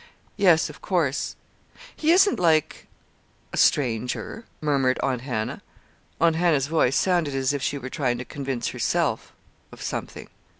"Yes, of course. He isn't like a stranger," murmured Aunt Hannah. Aunt Hannah's voice sounded as if she were trying to convince herself of something.